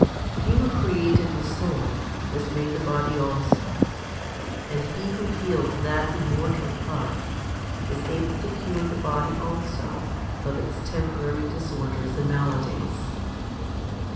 He who created the soul has made the body also ; and He who heals that immortal part, is able to cure the body also of its temporary disorders and maladies.